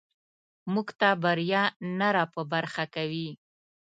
موږ ته بریا نه راپه برخه کوي.